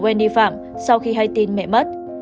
wendy phạm sau khi hay tin mẹ mất